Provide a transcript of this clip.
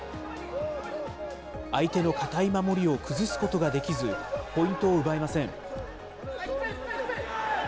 相手の堅い守りを崩すことができず、ポイントを奪えません。